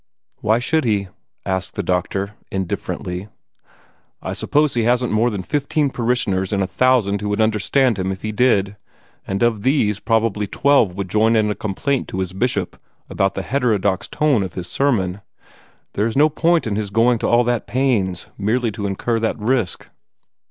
"Why should he?" asked the doctor, indifferently. "I suppose he hasn't more than fifteen parishioners in a thousand who would understand him if he did, and of these probably twelve would join in a complaint to his Bishop about the heterodox tone of his sermon. There is no point in his going to all that pains, merely to incur that risk.